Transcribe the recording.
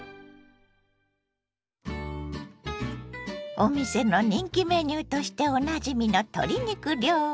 お店の人気メニューとしておなじみの鶏肉料理。